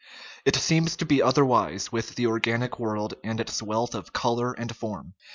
It seems to be otherwise with the organic world and its wealth of color and form.